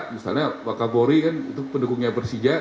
misalnya wakabori kan itu pendukungnya persija